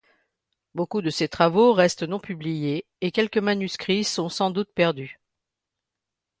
Beaucoup de ses travaux restent non publiés et quelques manuscrits sont sans doute perdus.